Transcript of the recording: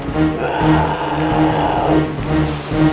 kita jadi sedih